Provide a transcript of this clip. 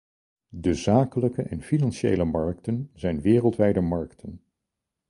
De zakelijke en financiële markten zijn wereldwijde markten.